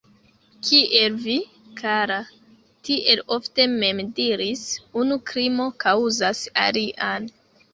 Kiel vi, kara, tiel ofte mem diris, unu krimo kaŭzas alian.